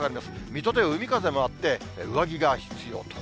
水戸では海風もあって、上着が必要と。